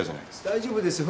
大丈夫ですよ。